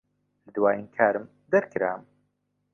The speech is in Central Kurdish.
لە دوایین کارم دەرکرام.